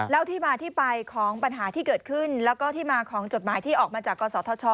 แล้วที่มาที่ไปของปัญหาที่เกิดขึ้นแล้วก็ที่มาของจดหมายที่ออกมาจากกศธช